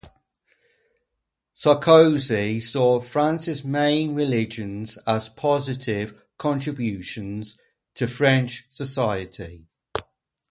Sarkozy saw France's main religions as positive contributions to French society.